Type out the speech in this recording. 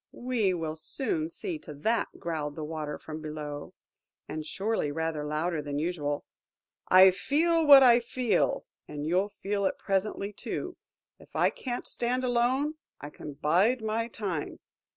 "We will soon see to that," growled the Water from below, and surely rather louder than usual. "I feel what I feel, and you'll feel it presently, too. If I can't stand alone, I can bide my time.